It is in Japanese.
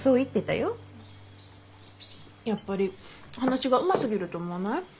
やっぱり話がうますぎると思わない？